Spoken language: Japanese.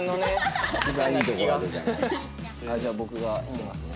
じゃあ僕が引きますね。